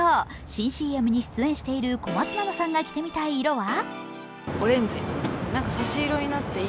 新ＣＭに出演している小松菜奈さんが着てみたい色は？